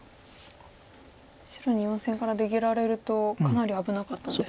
白に４線から出切られるとかなり危なかったんですか。